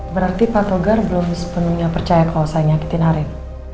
berarti pak togar belum sepenuhnya percaya kalau saya nyakitin arek